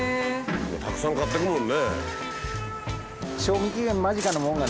たくさん買っていくもんね。